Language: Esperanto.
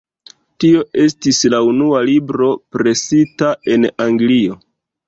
Tio estis la unua libro presita en Anglio.